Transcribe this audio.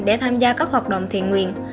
để tham gia các hoạt động thiện nguyện